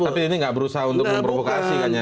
tapi ini nggak berusaha untuk memprovokasi